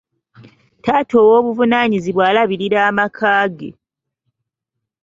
Taata ow'obuvunaanyizibwa alabirira amaka ge.